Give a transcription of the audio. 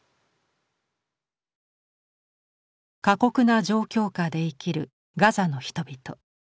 過酷な状況下で生きるガザの人々。